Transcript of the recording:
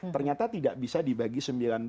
ternyata tidak bisa dibagi sembilan puluh